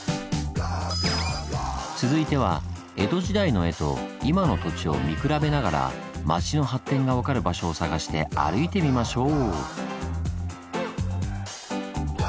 続いては江戸時代の絵と今の土地を見比べながら町の発展が分かる場所を探して歩いてみましょう！